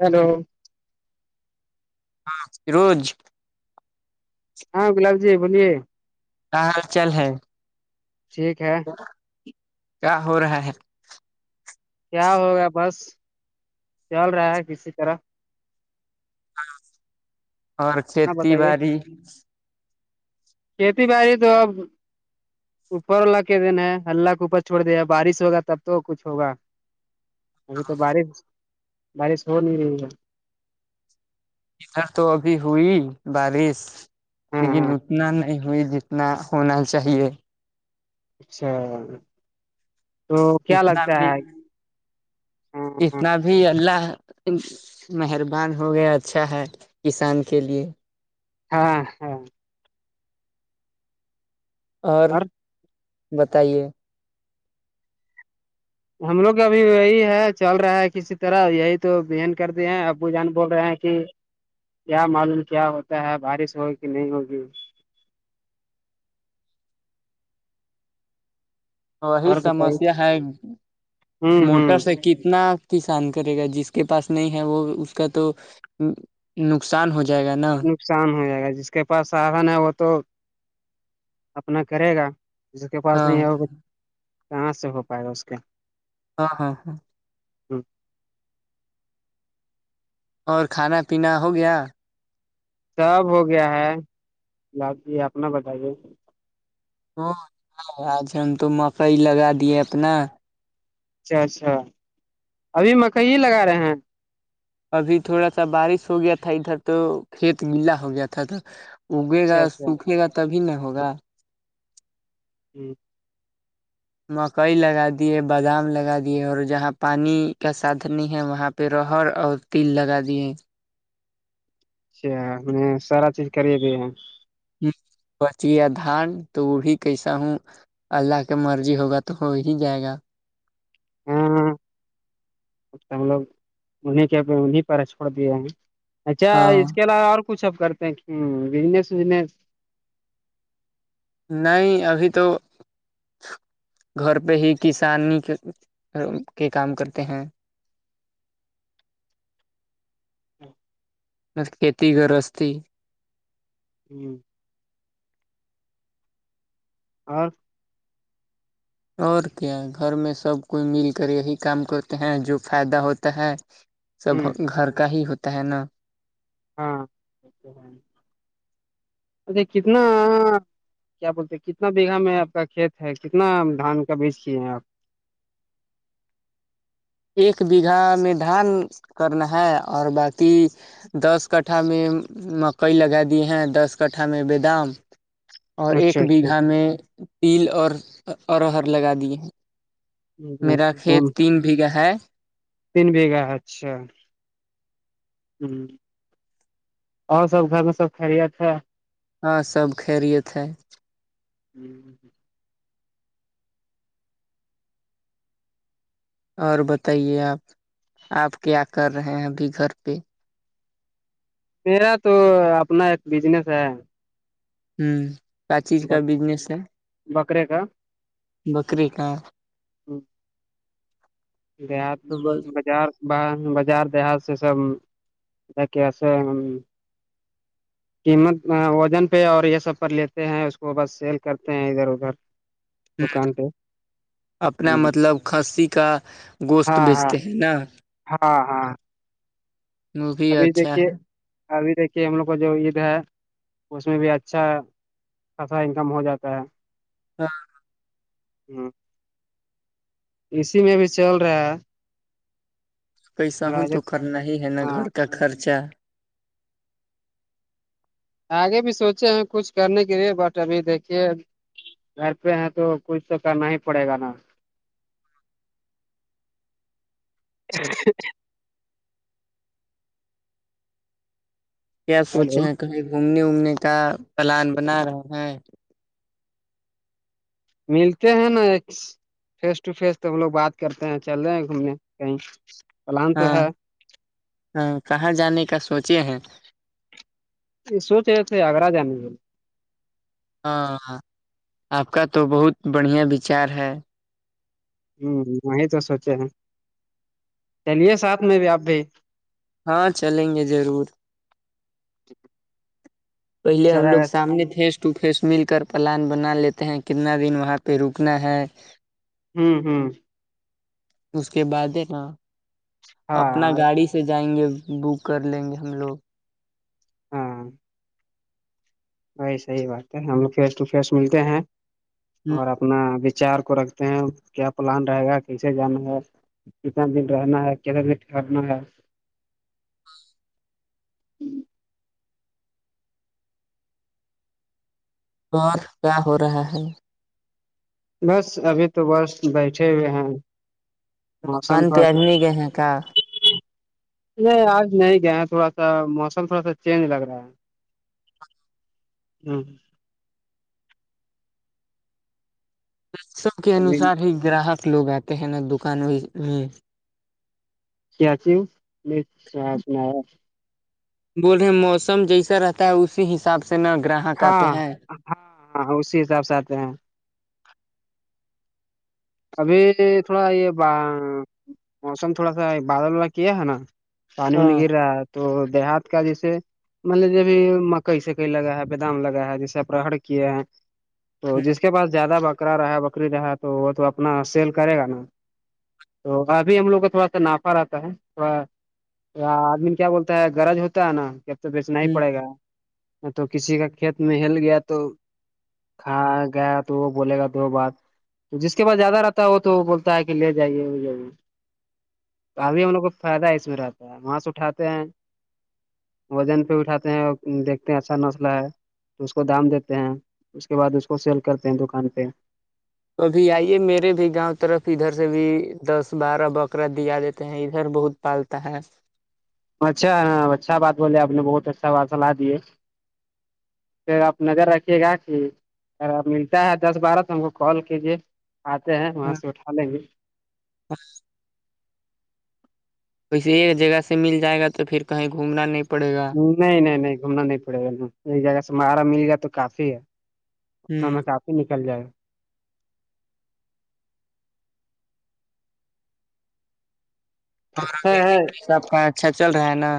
hello [unintelligible] ہاں گلاب جی بولیے کیا حال چال ہے ٹھیک ہے کیا ہو رہا ہے کیا ہوگا بس چل رہا ہے کسی طرح اور اپنا کھیتی بتائیے باڑی کھیتی باڑی تو اب اوپر والا کے دین ہے اللہ کے اوپر چھوڑ دیا بارش ہوگا تب تو کچھ ہوگا ابھی تو بارش بارش ہو نہیں رہی ہے ادھر تو ابھی ہوئی بارش ہے ہاں لیکن ہاں اتنا نہیں ہوئی جتنا ہونا چاہیے اچھا تو کیا اتنا لگتا بھی ہے ابھی اللہ مہربان ہو گیا اچھا ہے کسان کے لیے ہاں ہاں اور بتائیے ہم لوگ ابھی وہی ہے چل رہا ہے کسی طرح یہی تو بہن کر دی ہیں ابو جان بول رہے ہیں کہ کیا معلوم کیا ہوتا ہے بارش ہوگی کہ نہیں ہوگی وہی اور بتائیے سمسیا ہے ہوں موٹر ہوں سے کتنا کسان کرے گا جس کے پاس نہیں ہے وہ اس کا تو نقصان ہو جائے گا نا نقصان ہو جائے گا جس کے پاس سادھن ہے وہ تو اپنا کرے گا جس کے پاس ہاں نہیں ہوگا کہاں سے ہو پائے گا اس کے ہاں ہاں ہاں اور کھانا پینا ہو گیا خراب ہو گیا ہے یہ اپنا بتائیے لگا دیا اپنا اچھا اچھا ابھی مکئی لگا رہے ہیں ابھی تھوڑا سا بارش ہو گیا تھا ادھر تو کھیت ملا ہو گیا تھا اوکے گا اچھا اچھا سوکھے گا تب ہی نہ ہوگا ہوں مکائی لگا دیے بادام لگا دیے اور جہاں پانی کا ساتھ نہیں ہے وہاں پہ رہ اور تل لگا دیے میں سارا چیز بس یہ دھان تو ہی اللہ کی مرضی ہوگا تو کوئی نہیں جائے گا- ہاں اچھا ہاں اس کے علاوہ اور کچھ آپ کرتے ہیں بزنس وزنس نہیں ابھی تو گھر پہ ہی کسان کے کام کرتے ہیں- ہ کیتی ہوں اور عورت کے گھر میں سب کو مل کر یہی کام کرتے ہیں جو فائدہ ہوتا ہے- ہ سب گھر کا ہی ہاں [inaudible] اچھا کتنا کیا بولتے ہیں کتنا بیگم ہے اپ کا کھیت ہے کتنا ڈھان کا بیچ کیے ہیں اپ - ایک بگاہ میں ڈھان کرنا ہے اور باقی کٹا میں مکئی لگا دیے ہیں اکٹھا میں بادام اور اچھا ایک اچھا بیگہ میں پیل اور میرا کھیت تین اچھا اور سب خیریت ہے سب خیریت ہے ہوں اور بتائیے، اپ- اپ کیا کر رہے ہیں ابھی گھر پہ میرا تو اپنا ایک بزنس ہے- چیز کا بزنس ہے بکرے کا بکری کا گیا تو بس بازار بازار سے سب [inaudible] قیمت وزن پہ اور یہ سب پر لیتے ہیں اس کو بس سیل کرتے ہیں ادھر ادھر - اپنے مطلب خاصی کا گوشت ہاں ہاں بیچتے ہیں نا - ہاں- ہاں وہ بھی ابھی اچھا دیکھیں ہے ابھی دیکھیں ہم لوگوں کو جو عید ہے، اس میں بھی اچھا- اچھا انکم ہاں ہاں اسی میں بھی چل رہا ہے پیسہ ہوں تو فج کرنا ہی ہے نا گھر ہاں کا خرچہ آگے بھی سوچے ہیں کچھ کرنے کے لیے بٹ ابھی دیکھیے گھر پہ ہے تو کچھ تو کرنا ہی پڑے گا نا ہاں اچ [unintelligible] کیا سوچے ہیلو ہیں کہیں گھومنے وومنے کا پلان بنا رہے ہیں ملتے ہیں نا فیس ٹو فیس تو ہم لوگ بات کرتے ہیں چل رہے ہیں گھومنے کہیں پلان تو ہاں ہے ہاں کہاں جانے کا سوچے ہیں یہ سو چ تھے اگرا جا نہیںول ہاں آپ کا تو بہت بڑھیا وچار ہے ہوں وہی تو سوچے ہیں چلیے ساتھ میں بھی آپ بھی ہاں چلیں گے ضرور ٹھ پہلے ہم لوگ سامنے تھے ٹو فیس مل کر پلان بنا لیتے ہیں کتنا دن وہاں پہ رکنا ہے ہوں ہوں اس کے بعد ہے نا ہاں اپنا گاڑی سے جائیں گے بک کر لیں گے ہم لوگ ہاں وہی صحیح بات ہے ہم لوگ فیس ٹو فیس ملتے ہیں اور اپنا وچار کو رکھ ہیں کیا پلان رہے گا کیسے جانا ہے کتنا دن رہنا ہے کتنا دن ٹھہرنا ہے اور کیا ہو رہا ہے بس ابھی تو بس بیٹھے ہوئے ہیں موسم دکان پہ خاص آدمی گئے ہیں کیا نہیں آج نہیں گیا ہیں تھوڑا سا موسم تھوڑا سا چینج لگ رہا ہے ہ سوں کے ہ انوسار ہی گراہک لوگ آتے ہیں نا دکان میں کیا ت ہوں سنایا بولے موسم جیسا رہتا ہے اسی حساب سے نہ گراہ ہاں ہاں ہاں اسی حساب سے آتے ہیں ابھی تھوڑا یہ موسم تھوڑا سا بادل والا کیا ہے نا پانی میں نہیں ہاں گر رہا ہے تو دیہات کا جیسے مطلب جبھی مکئی سکئی لگا ہے بادام لگا ہے جیسے اپہر کیے ہیں تو جس کے پاس زیادہ بکرا رہا بکری رہا تو وہ تو اپنا سیل کرے گا نا تو ابھی ہم لوگ کا تھوڑا سا نافا رہتا ہے تھوڑا آدمی کیا بولتا ہے گرج ہوتا ہے نا جب تو بیچنا ہی ہ پڑے گا تو کسی کا کھیت میں ہل گیا تو کھ گیا تو وہ بولے گا تو بات اس کے پاس زیادہ رہتا ہے وہ تو بولتا ہے کہ لے جائیے وہ جائیے تو ابھی ہم لوگ کو فائدہ اس میں رہتا ہے وہاں سے اٹھاتے ہیں وزن پہ اٹھاتے ہیں اور دیکھتے ہیں اچھا نسلہ ہے تو اس کو دام دیتے ہیں اس کے بعد اس کو سیل کرتے ہیں دکان پہ ابھی آئیے میرے بھی گاؤں طرف ادھر سے بھی دس بارہ وقت اا دیا دیتے ہیں ادھر بہت پالتا ہے اچھا ہاں اچھا بات بولیے آپ نے بہت اچھا بات صلاح دی ہے پ آپ نظر رکھیے گا کہ اگر آپ ملتا ہے دس بارہ تو ہم کو کال کیجیے آتے ہیں وہاں سے اٹھا لیں گے ا ویسے ایک جگہ سے مل جائے گا تو پھر کہیں گھومنا نہیں پڑے گا نہیں نہیں نہیں گھومنا نہیں پڑے گا نا ایک جگہ سے مارا مل گیا تو کافی ہے ہ اسفی سے نکل جائے گا اور گا ابھی ہے بجلی سب کا اچھا چل رہا ہے نا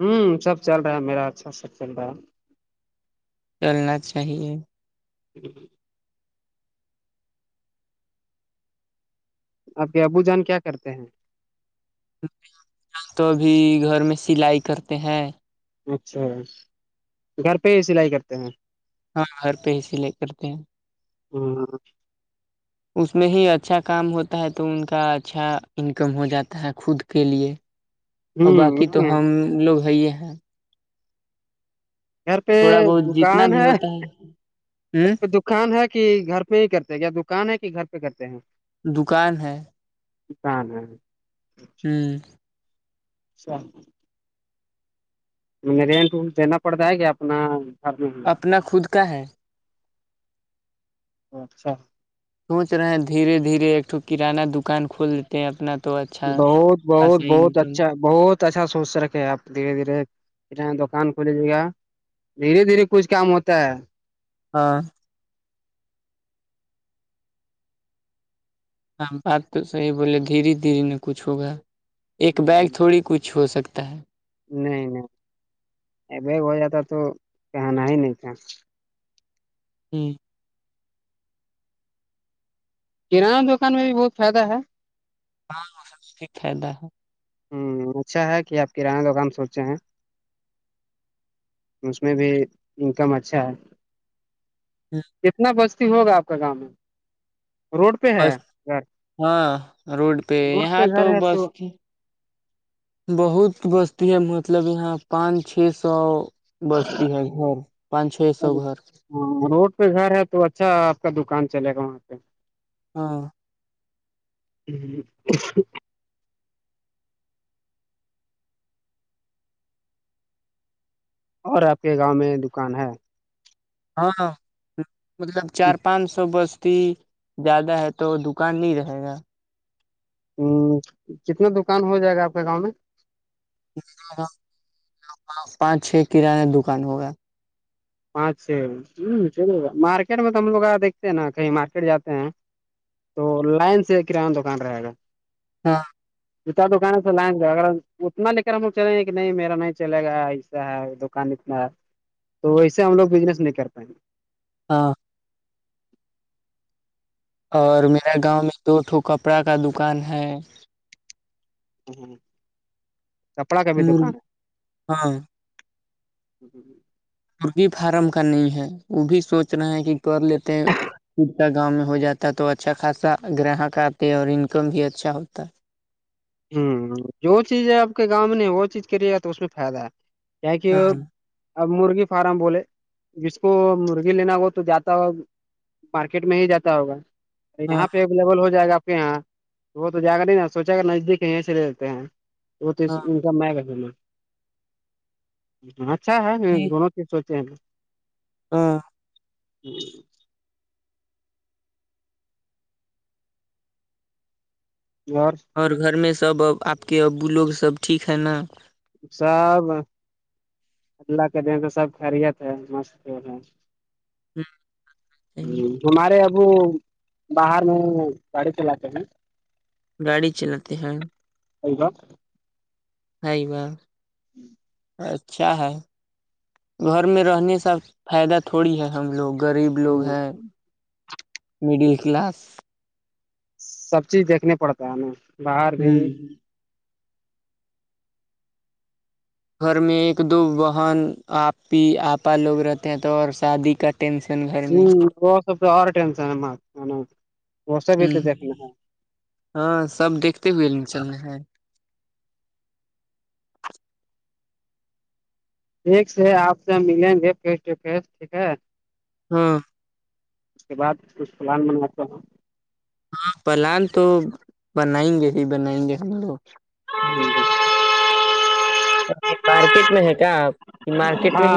ہوں سب چل رہا ہے میرا اچھا سب چل رہا ہے چلنا چاہیے جی آپ کے ابو جان کیا کرتے ہیں توب گھر میں سلائی کرتے ہیں اچھا گھر پہ ہی سلائی کرتے ہیں ہاں گھر پہ ہی سلے کرتے ہیں ہاں اس میں ہی اچھا کام ہوتا ہے تو ان کا اچھا انکم ہو جاتا ہے خود کے لیے اور باقی تو ہ ہم لوگ ہیں یہ ہیں گھر پہ تھوڑا بہت جتنا دکان بھی ہے ہوتا ہے گھر ہ پہ د دکان ہے کہ گھر پہ ہی کرتے ہیں کیا دکان ہے کہ گھر پہ کرتے ہیں دکان ہے س ہوں چھا م رینٹ وونٹ دینا پڑتا ہے کیا اپنا میں ہی اپنا خود کا ہے اچھا سوچ رہے دھیرے دھیرے ایکٹو کرانہ دکان کھول تے اپنا تو بہت بہت خاصا بہت انکم اچھا بہت اچھا سوچ سے رکھے آپ دھیرے دھیرے دکان کھلییے گا دھیرے دھیرے کچھ کام ہوتا ہے ہاں ہاں بات تو صحیح بولے دھیر دھیرری نہ کچھ ہوگا ایک بیگ تھوڑی کچھ ہو سکتا ہے نہیں نہیں اب ہو جاتا تو کہناا ہی نہیں تھا ہوں کرانہ دکان میں بھی بہت فائد ہے ہاں سبٹیک فائدہ ہے ہ اچھا ہے کہ آپ کرانہ دکام سوچے ہیں اس میں بھی انکم اچھا ہے ہے کتنا بستی ہوگا آپ کا گاؤں میں روڈ پہ ہے بس گھر ہاں روڈ پہ روڈ یہاں تو گھر ہے بس بہت بستی ہے مطلب یہاں پانچ چھ سو بستی ہے گھر پانچ چھ سو گھر ہ روڈ پہ گھر ہے تو اچھا آپ کا دکان چلے گا وہاں پہ ہاں جوں اور آپ کے گاؤں میں دکان ہے ہاں مطلب چار پانچ سو بستی زیادہ ہے تو دکان نہیں رہے گا ہ کتنا دکان ہو جائے گا آپ کے گاؤں میں پانچ چھ کانہ دکان ہوگا پانچ چھ ہ چلے گا مارکیٹ میں تو ہم لوگ آ دیکھتے ہیں نا کہیں مارکیٹ جاتے ہیں تو لائن سے کرانہ دکان رہے گا ہاں جوتا دکان سے لائیں گ اگر اتنا لے کر ہم لوگ چلیں گے کہ نہیں میرا نہیں چے گا ایسا ہے دکان اتنا ہے تو ویسے ہم لوگ بزنس نہیں کر پائیں گے ہاں اور میرا گاؤں میں دوٹو کپڑا کا دکان ہے ہ ہ م ہاں جی جی مرغی فارم کا نہیں ہے وہ بھی سوچ رہے ہیں کہ کر لیتے خود کا گاؤں میں ہو جاتا ہے تو اچھا خاصا گراہک آتے اور انکم بھی اچھا ہوتا ہے ہ جو چیز ہے آپ کے گاؤں نے وہ چیز کری ہے تو اس میں فائدہ ہے کیا ہے کہ اور ہاں اب مرغی فارم بولے جس کو مرغی لینا ہو تو جاتا ہو مارکیٹ میں ہی جاتا ہوگا ہاں یہاں پہ اویلیبل ہو جائے گا آپ کے یہاں وہ تو جا گا نہیں نا سوچا گا نزدیک یہیں سے لے لیتے ہیں وہ تو ہاں ان کام میںگا فا اچھا ہے جی، دونوں چیز سوچے ہیں ہاں جی ار [inaudible] اور گھر میں سب ا آپ کے ابو لوگ سب ٹھیک ہے نا سب اللہ کے دن سب خیریت ہے مست ہے اچ [unintelligible] ہ جوومارے ابو باہر میں گاڑی چلا تے کے ہیں گاڑی چلاتے ہیں آ گ [unintelligible] ہئی وا [unintelligible] ہوں [unintelligible] اچھا ہے گھر میں رہنے سب فائدہ تھوڑی ہے ہم لوگ غریب لوگ ہیں مڈل کلاس سب چیز دیکھنے پڑتا ہے ہمیں باہر بھی ہوں گھر میں ایک دو بہن آپی آپا لوگ رہتے ہیں تو اور شادی کا ٹینشن ہے ہ وہ سب تو اور ٹینن وہ سب ہی ہوں تو دیکنا ہے ہاں سب دیکھتے ہوئے چلنا ہیں ٹھیک سے آپ سے ملیں گے فیس ٹو فیس ٹھیک ہے ہاں اس کے بعد کچھ پلان بناتا ہوں ہاں پلان تو بنائیں گے ہی بنائیں گے ہم لوگ جی یہ مارکیٹ میں ہے کیا آپ یہ مارکیٹ میں ہی ہاں آپ